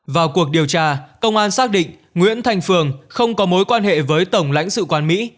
vào cuộc điều tra công an xác định nguyễn thành phường không có mối quan hệ với tổng lãnh sự quán mỹ